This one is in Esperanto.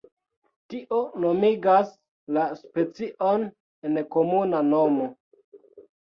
Tio nomigas la specion en la komuna nomo.